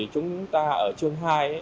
chúng ta ở chương hai